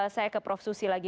saya ke prof susi lagi